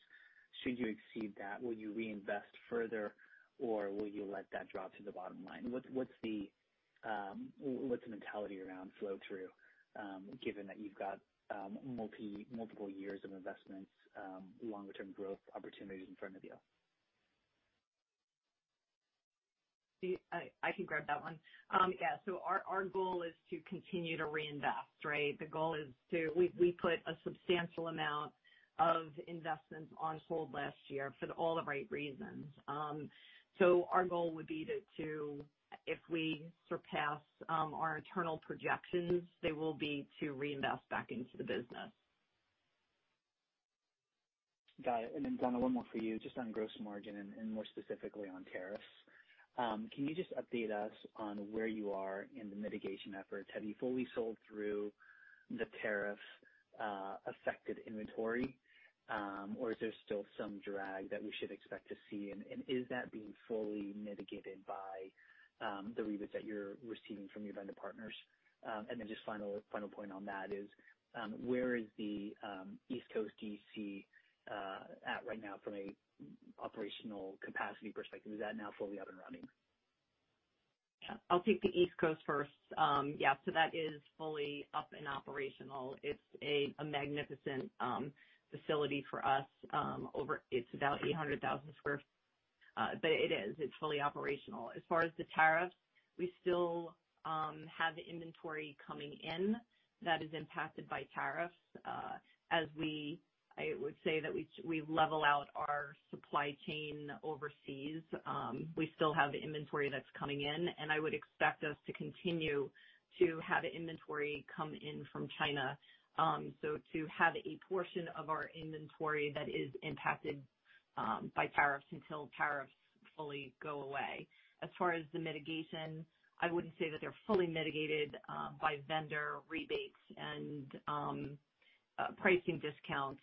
Should you exceed that, will you reinvest further, or will you let that drop to the bottom line? What's the mentality around flow through, given that you've got multiple years of investments, longer term growth opportunities in front of you? I can grab that one. Yeah. Our goal is to continue to reinvest, right? We put a substantial amount of investments on hold last year for all the right reasons. Our goal would be to, if we surpass our internal projections, they will be to reinvest back into the business. Got it. Donna, one more for you. Just on gross margin and more specifically on tariffs, can you just update us on where you are in the mitigation efforts? Have you fully sold through the tariff affected inventory, or is there still some drag that we should expect to see? Is that being fully mitigated by the rebates that you're receiving from your vendor partners? Just final point on that is, where is the East Coast DC at right now from an operational capacity perspective? Is that now fully up and running? Yeah, I'll take the East Coast first. Yeah, so that is fully up and operational. It's a magnificent facility for us, over 800,000 square feet, but it is fully operational. As far as the tariffs, we still have inventory coming in that is impacted by tariffs. I would say that we level out our supply chain overseas. We still have inventory that's coming in, and I would expect us to continue to have inventory come in from China. So to have a portion of our inventory that is impacted by tariffs until tariffs fully go away. As far as the mitigation, I wouldn't say that they're fully mitigated by vendor rebates and pricing discounts,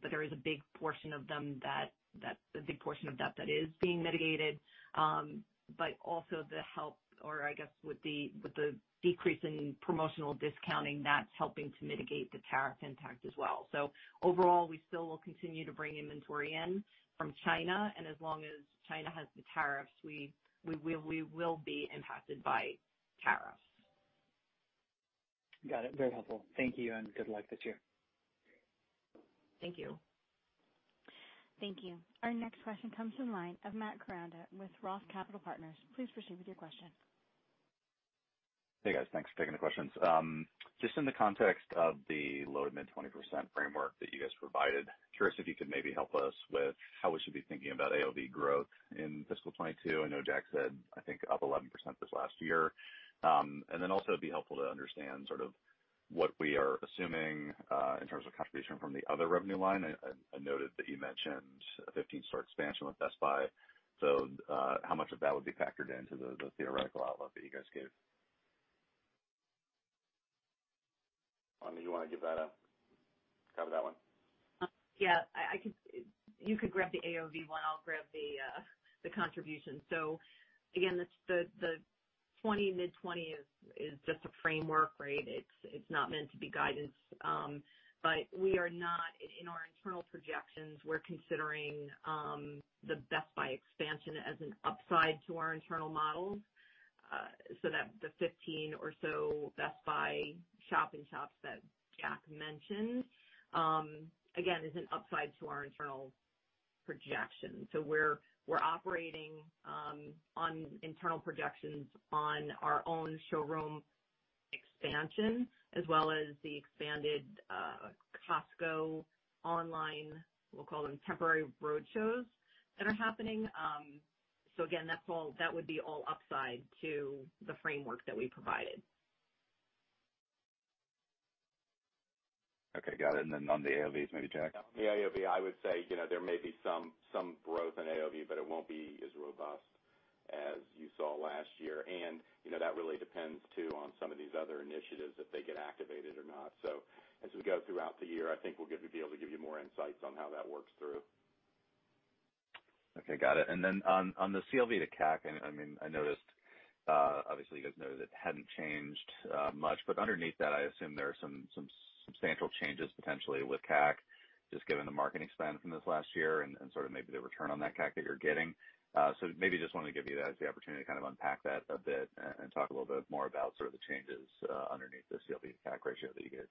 but there is a big portion of them that. A big portion of that is being mitigated. Also, I guess, with the decrease in promotional discounting, that's helping to mitigate the tariff impact as well. Overall, we still will continue to bring inventory in from China, and as long as China has the tariffs, we will be impacted by tariffs. Got it. Very helpful. Thank you, and good luck this year. Thank you. Thank you. Our next question comes from the line of Matt Koranda with ROTH Capital Partners. Please proceed with your question. Hey, guys. Thanks for taking the questions. Just in the context of the low-to-mid 20% framework that you guys provided, curious if you could maybe help us with how we should be thinking about AOV growth in fiscal 2022? I know Jack said, I think, up 11% this last year. And then also it'd be helpful to understand sort of what we are assuming in terms of contribution from the other revenue line. I noted that you mentioned a 15-store expansion with Best Buy? How much of that would be factored into the theoretical outlook that you guys gave? I mean, you wanna give that, cover that one? Yeah, I can. You can grab the AOV one, I'll grab the contribution. Again, the 20% mid-20% is just a framework, right? It's not meant to be guidance. In our internal projections, we're considering the Best Buy expansion as an upside to our internal models. That the 15 or so Best Buy shop in shops that Jack mentioned, again, is an upside to our internal projection. We're operating on internal projections on our own showroom expansion as well as the expanded Costco online, we'll call them temporary roadshows that are happening. Again, that's all, that would be all upside to the framework that we provided. Okay. Got it. On the AOV, maybe Jack. The AOV, I would say, you know, there may be some growth in AOV, but it won't be as robust as you saw last year. You know, that really depends too on some of these other initiatives if they get activated or not. As we go throughout the year, I think we'll be able to give you more insights on how that works through. Okay. Got it. On the CLV to CAC, I mean, I noticed, obviously you guys noted it hadn't changed much, but underneath that, I assume there are some substantial changes potentially with CAC, just given the marketing spend from this last year and sort of maybe the return on that CAC that you're getting. So maybe just wanted to give you guys the opportunity to kind of unpack that a bit and talk a little bit more about sort of the changes underneath the CLV to CAC ratio that you get.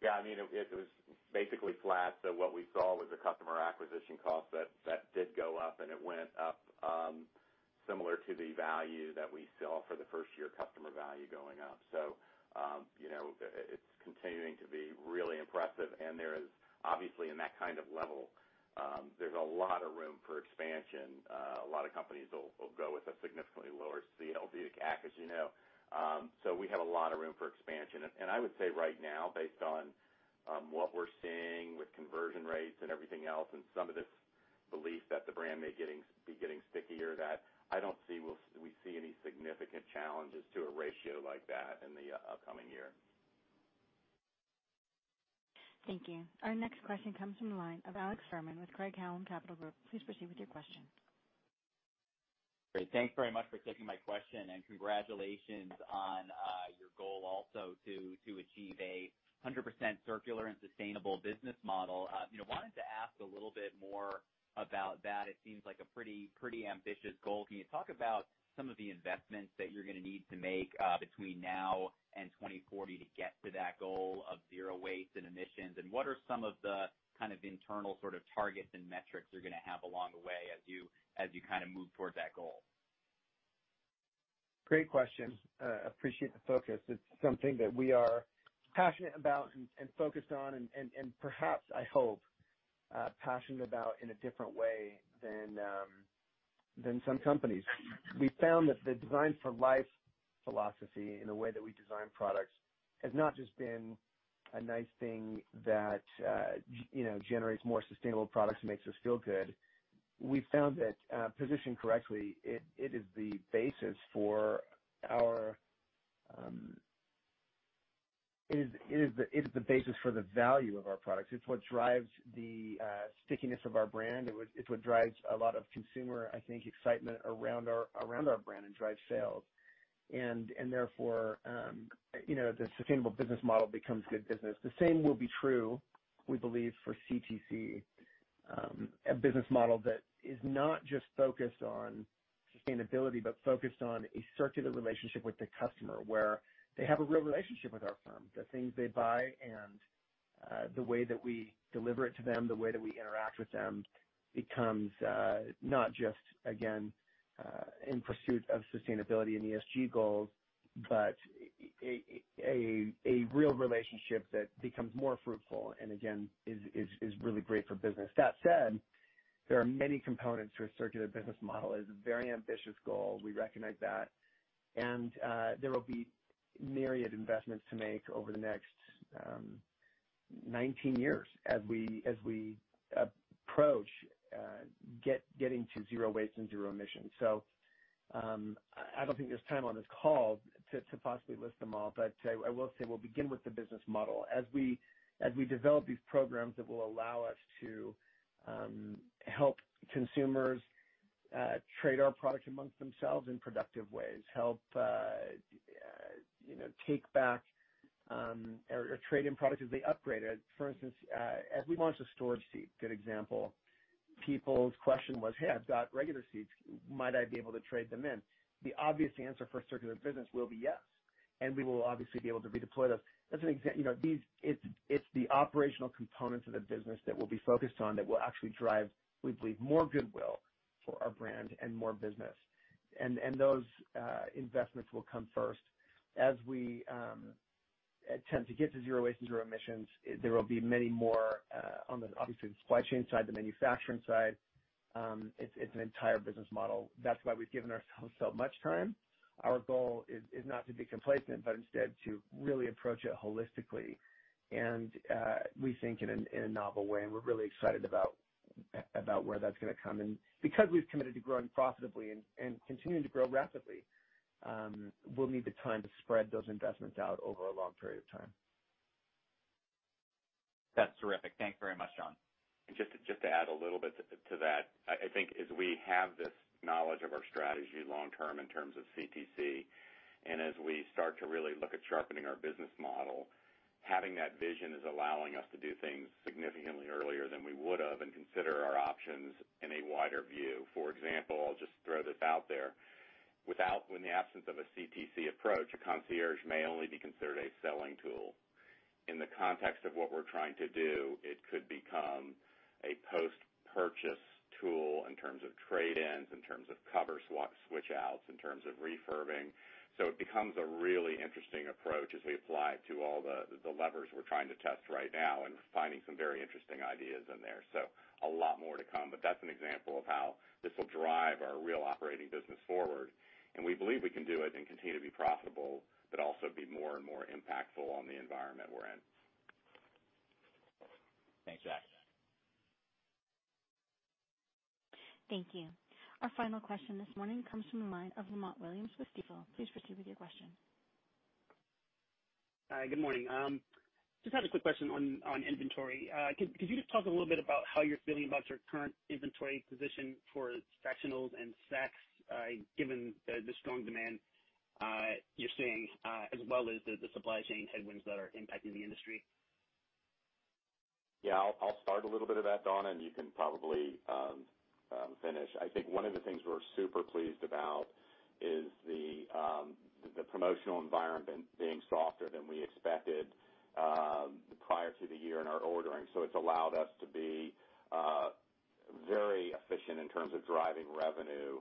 Yeah, I mean, it was basically flat. What we saw was a customer acquisition cost that did go up, and it went up, similar to the value that we saw for the first year customer value going up. You know, it's continuing to be really impressive. There is obviously in that kind of level, there's a lot of room for expansion. A lot of companies will go with a significantly lower CLV to CAC, as you know. We have a lot of room for expansion. I would say right now, based on what we're seeing with conversion rates and everything else, and some of this belief that the brand be getting stickier, that I don't see we see any significant challenges to a ratio like that in the upcoming year. Thank you. Our next question comes from the line of Alex Fuhrman with Craig-Hallum Capital Group. Please proceed with your question. Great. Thanks very much for taking my question, and congratulations on your goal also to achieve 100% circular and sustainable business model. You know, wanted to ask a little bit more about that. It seems like a pretty ambitious goal. Can you talk about some of the investments that you're gonna need to make between now and 2040 to get to that goal of zero waste and emissions? What are some of the kind of internal sort of targets and metrics you're gonna have along the way as you kind of move towards that goal? Great question. Appreciate the focus. It's something that we are passionate about and focused on and perhaps, I hope—passionate about in a different way than some companies. We found that the Designed for Life philosophy in the way that we design products has not just been a nice thing that, you know, generates more sustainable products and makes us feel good. We found that, positioned correctly, it is the basis for the value of our products. It's what drives the stickiness of our brand. It's what drives a lot of consumer, I think, excitement around our brand and drives sales. Therefore, you know, the sustainable business model becomes good business. The same will be true, we believe, for CTC. A business model that is not just focused on sustainability, but focused on a circular relationship with the customer where they have a real relationship with our firm. The things they buy and the way that we deliver it to them, the way that we interact with them becomes not just, again, in pursuit of sustainability and ESG goals, but a real relationship that becomes more fruitful and again, is really great for business. That said, there are many components to a circular business model. It's a very ambitious goal. We recognize that. There will be myriad investments to make over the next 19 years as we approach getting to zero waste and zero emissions. I don't think there's time on this call to possibly list them all, but I will say we'll begin with the business model. As we develop these programs that will allow us to help consumers trade our products amongst themselves in productive ways, help you know take back or trade in products as they upgrade. For instance, as we launched the storage seat, good example, people's question was, "Hey, I've got regular seats. Might I be able to trade them in?" The obvious answer for a circular business will be yes, and we will obviously be able to redeploy those. You know, it's the operational components of the business that we'll be focused on that will actually drive, we believe, more goodwill for our brand and more business. Those investments will come first. As we attempt to get to zero waste and zero emissions, there will be many more on, obviously, the supply chain side, the manufacturing side. It's an entire business model. That's why we've given ourselves so much time. Our goal is not to be complacent, but instead to really approach it holistically and we think in a novel way, and we're really excited about where that's gonna come. Because we've committed to growing profitably and continuing to grow rapidly, we'll need the time to spread those investments out over a long period of time. That's terrific. Thanks very much, Shawn. Just to add a little bit to that, I think as we have this knowledge of our strategy long term in terms of CTC, and as we start to really look at sharpening our business model, having that vision is allowing us to do things significantly earlier than we would've and consider our options in a wider view. For example, I'll just throw this out there. In the absence of a CTC approach, a concierge may only be considered a selling tool. In the context of what we're trying to do, it could become a post-purchase tool in terms of trade-ins, in terms of cover swap switch outs, in terms of refurbing. It becomes a really interesting approach as we apply it to all the levers we're trying to test right now and finding some very interesting ideas in there. A lot more to come, but that's an example of how this will drive our real operating business forward. We believe we can do it and continue to be profitable, but also be more and more impactful on the environment we're in. Thanks, Jack. Thank you. Our final question this morning comes from the line of Othello Lamont Williams with Stifel. Please proceed with your question. Hi, good morning. Just had a quick question on inventory. Could you just talk a little bit about how you're feeling about your current inventory position for Sactionals and Sacs, given the strong demand you're seeing, as well as the supply chain headwinds that are impacting the industry? Yeah. I'll start a little bit of that, Donna, and you can probably finish. I think one of the things we're super pleased about is the promotional environment being softer than we expected prior to the year in our ordering. It's allowed us to be very efficient in terms of driving revenue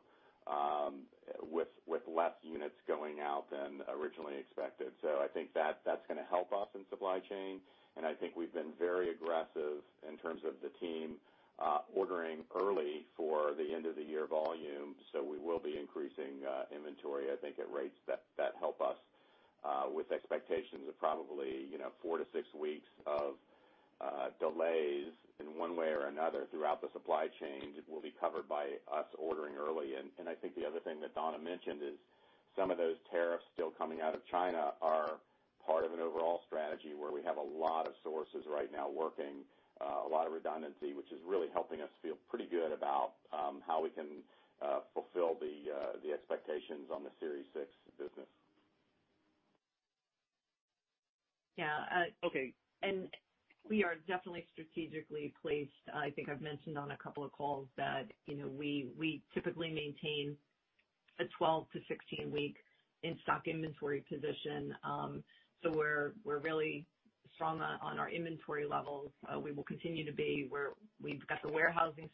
with less units going out than originally expected. I think that's gonna help us in supply chain, and I think we've been very aggressive in terms of the team ordering early for the end of the year volume, so we will be increasing inventory, I think at rates that help us with expectations of probably, you know, four-six weeks of delays in one way or another throughout the supply chain will be covered by us ordering early. I think the other thing that Donna mentioned is some of those tariffs still coming out of China are part of an overall strategy where we have a lot of sources right now working, a lot of redundancy, which is really helping us feel pretty good about how we can fulfill the expectations on the Sactionals business. Yeah. Okay. We are definitely strategically placed. I think I've mentioned on a couple of calls that, you know, we typically maintain a 12- to 16-week in-stock inventory position. We're really strong on our inventory levels. We will continue to be. We've got the warehousing.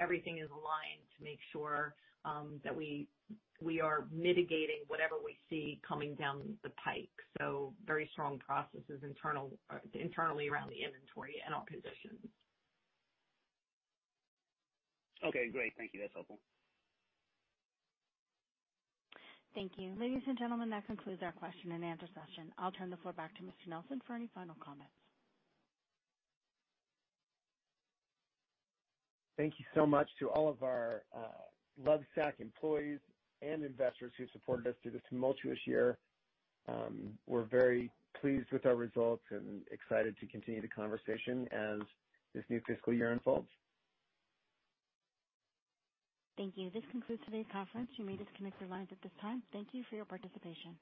Everything is aligned to make sure that we are mitigating whatever we see coming down the pike. Very strong processes internally around the inventory and our positions. Okay, great. Thank you. That's helpful. Thank you. Ladies and gentlemen, that concludes our question and answer session. I'll turn the floor back to Mr. Nelson for any final comments. Thank you so much to all of our Lovesac employees and investors who supported us through this tumultuous year. We're very pleased with our results and excited to continue the conversation as this new fiscal year unfolds. Thank you. This concludes today's conference. You may disconnect your lines at this time. Thank you for your participation.